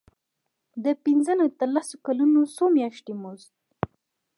د پنځه نه تر لس کلونو څلور میاشتې مزد.